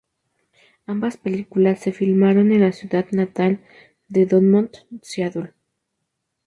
Ambas películas se filmaron en la ciudad natal de Dumont, Seattle.